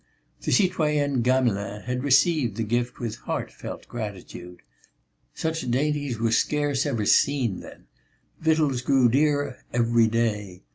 The citoyenne Gamelin had received the gift with heartfelt gratitude. Such dainties were scarce ever seen then; victuals grew dearer every day.